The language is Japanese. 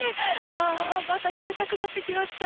ああまた食べたくなってきました。